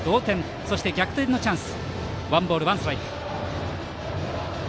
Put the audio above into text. そして逆転のチャンス。